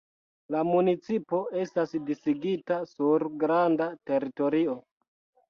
La municipo estas disigita sur granda teritorio.